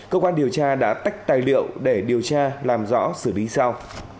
cơ quan điều tra đã tách tài liệu để điều tra làm rõ xử lý sau